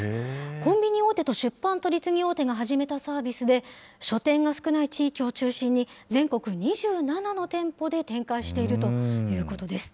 コンビニ大手と出版取り次ぎ大手が始めたサービスで、書店が少ない地域を中心に、全国２７の店舗で展開しているということです。